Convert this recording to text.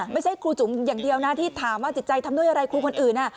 ไม่ใช่ครูจุ๋มอย่างเดียวนะที่ถามว่าจิตใจทำด้วยอะไรครูคนอื่น